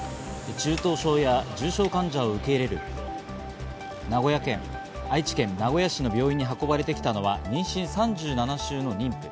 中等症や重症患者を受け入れる愛知県名古屋市の病院に運ばれてきたのは妊娠３７週の妊婦。